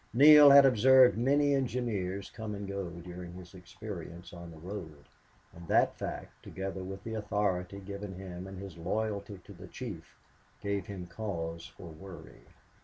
Neale had observed many engineers come and go during his experience on the road; and that fact, together with the authority given him and his loyalty to, the chief, gave him cause for worry.